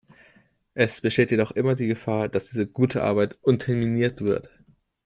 Es besteht jedoch immer die Gefahr, dass diese gute Arbeit unterminiert wird.